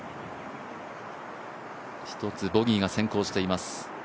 １つボギーが先行しています